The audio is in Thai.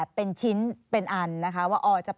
มีความรู้สึกว่า